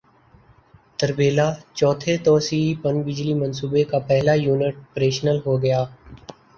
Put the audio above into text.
تربیلا چوتھے توسیعی پن بجلی منصوبے کا پہلا یونٹ پریشنل ہوگیا